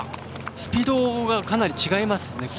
スピードがかなり違いますね。